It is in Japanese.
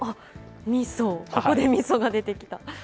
ここでみそが出てきた。